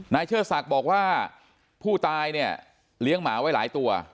เชิดศักดิ์บอกว่าผู้ตายเนี่ยเลี้ยงหมาไว้หลายตัว